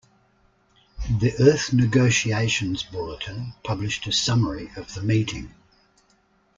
The Earth Negotiations Bulletin published a summary of the meeting.